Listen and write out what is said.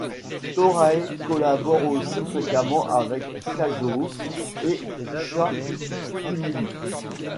Torae collabore aussi fréquemment avec Skyzoo et Sha Stimuli.